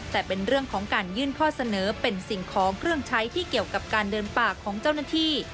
แต่เป็นเรื่องของการยื่นข้อเสนอเป็นสิ่งของเครื่องใช้ที่เกี่ยวกับการเดินป่าของเจ้าหน้าที่